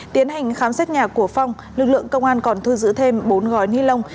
tiến hành khám xét nhà của phong lực lượng công an còn thu giữ thêm bốn gói ni lông